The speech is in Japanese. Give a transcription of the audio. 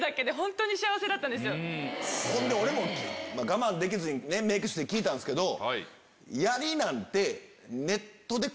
我慢できずにメイク室で聞いたんすけど。